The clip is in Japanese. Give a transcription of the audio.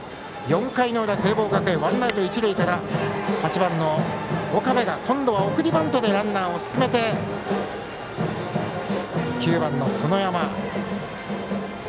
４回の裏、聖望学園ワンアウト、一塁から８番の岡部が今度は送りバントでランナーを進めて９番の園山。